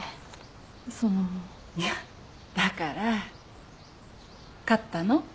いやだから勝ったの？